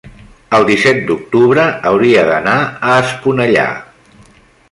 el disset d'octubre hauria d'anar a Esponellà.